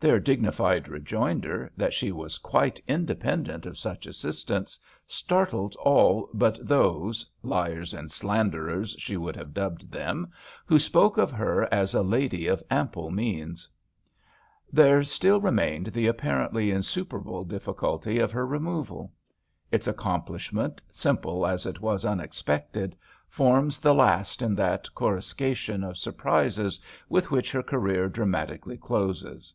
Their dignified rejoinder, that she was quite in dependent of such assistance, startled all but those — ^liars and slanderers she would HAMPSHIRE VIGNETTES have dubbed them — who spoke of her as a lady of ample means. There still remained the apparently in superable difficulty of her removal. Its accomplishment, simple as it was unex pected, forms the last in that coruscation of surprises with which her career dramati cally closes.